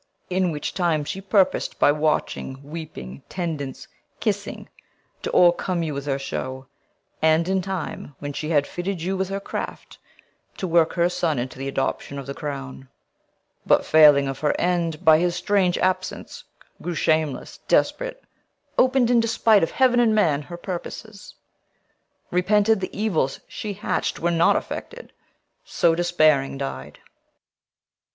In which time she purpos'd, By watching, weeping, tendance, kissing, to O'ercome you with her show; and in time, When she had fitted you with her craft, to work Her son into th' adoption of the crown; But failing of her end by his strange absence, Grew shameless desperate, open'd, in despite Of heaven and men, her purposes, repented The evils she hatch'd were not effected; so, Despairing, died.